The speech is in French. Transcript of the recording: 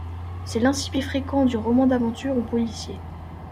C'est l'incipit fréquent du roman d'aventure, ou policier.